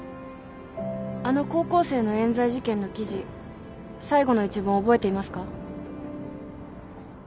あの高校生の冤罪事件の記事最後の一文を覚えていますか？